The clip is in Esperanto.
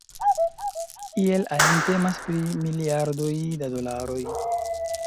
Iel ajn temas pri miliardoj da dolaroj.